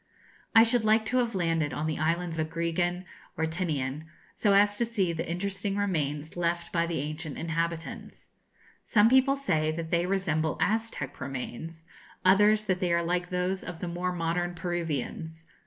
I should like to have landed on the islands Agrigan or Tinian, so as to see the interesting remains left by the ancient inhabitants. Some people say that they resemble Aztec remains; others, that they are like those of the more modern Peruvians.